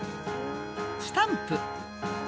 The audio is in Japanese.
スタンプ。